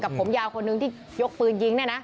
ผมยาวคนนึงที่ยกปืนยิงเนี่ยนะ